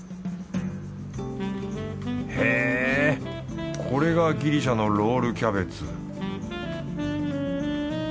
へぇこれがギリシャのロールキャベツ